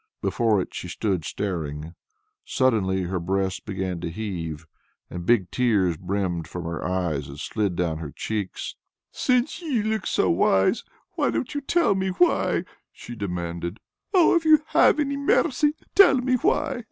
Before it she stood staring. Suddenly her breast began to heave, and the big tears brimmed from her eyes and slid down her cheeks. "Since you look so wise, why don't you tell me why?" she demanded. "Oh, if you have any mercy, tell me why!"